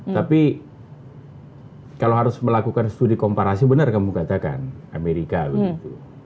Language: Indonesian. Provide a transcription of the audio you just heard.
tapi kalau harus melakukan studi komparasi benar kamu katakan amerika begitu